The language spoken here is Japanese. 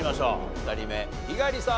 ２人目猪狩さん